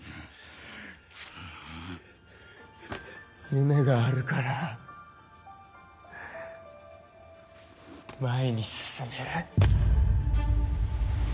夢があるから前に進める！